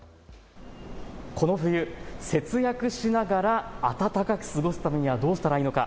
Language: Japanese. この冬、節約しながら暖かく過ごすためにはどうしたらいいのか。